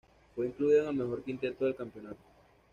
Fue incluido en el mejor quinteto del campeonato.